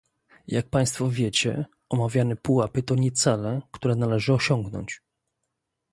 Jak państwo wiecie, omawiane pułapy to nie cele, które należy osiągnąć